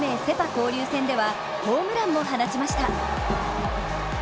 交流戦ではホームランも放ちました。